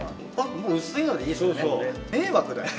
もう薄いのでいいですね。